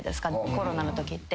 コロナのときって。